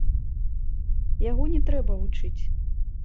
Яго не трэба вучыць.